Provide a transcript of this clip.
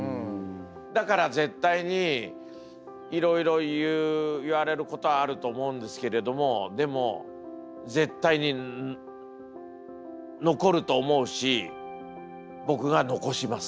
だから絶対にいろいろ言われることはあると思うんですけれどもでも絶対に残ると思うし僕が残します。